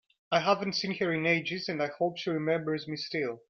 I haven’t seen her in ages, and I hope she remembers me still!